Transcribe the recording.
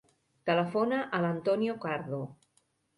Telefona a l'Antonio Cardo.